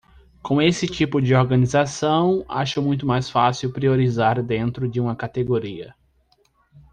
Com esse tipo de organização, acho muito mais fácil priorizar dentro de uma categoria.